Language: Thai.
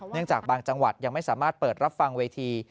จากบางจังหวัดยังไม่สามารถเปิดรับฟังเวที